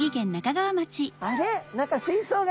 あれ？